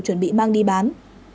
chuẩn bị mang đi bán